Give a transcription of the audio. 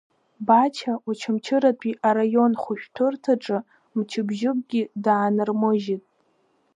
Бача Очамчыратәи араионтә хәышәтәырҭаҿы мчыбжьыкгьы даанырмыжьит.